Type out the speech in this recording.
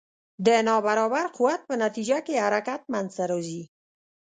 د نا برابر قوت په نتیجه کې حرکت منځته راځي.